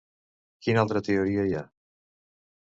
Quina altra teoria hi ha?